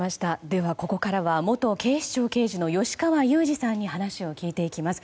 では、ここからは元警視庁刑事の吉川祐二さんに話を聞いていきます。